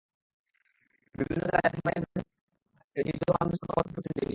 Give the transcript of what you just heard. বিভিন্ন জেলায় যাত্রীবাহী বাসে পেট্রলবোমা হামলায় নিরীহ মানুষ পুড়ে মরছে প্রতিদিনই।